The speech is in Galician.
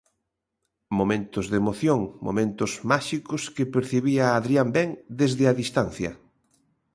Momentos de emoción, momentos máxicos que percibía Adrián Ben desde a distancia.